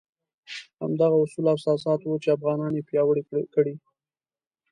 همدغه اصول او اساسات وو چې افغانان یې پیاوړي کړي.